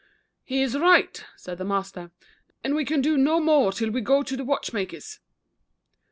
" He is right," said the master, and we can do no more till we go to the watchmaker s."